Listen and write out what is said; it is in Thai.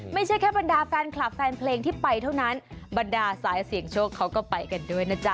ไม่ใช่แค่บรรดาแฟนคลับแฟนเพลงที่ไปเท่านั้นบรรดาสายเสี่ยงโชคเขาก็ไปกันด้วยนะจ๊ะ